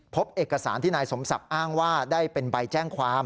พบเอกสารที่นายสมศักดิ์อ้างว่าได้เป็นใบแจ้งความ